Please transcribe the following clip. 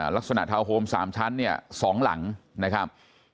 ทาวน์โฮม๓ชั้นเนี่ย๒หลังนะครับ